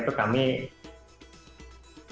ikut merasakan suasana ramadhan di argentina